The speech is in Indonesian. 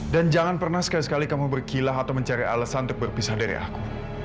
dan jangan pernah sekali sekali kamu berkilah atau mencari alasan untuk berpisah dari aku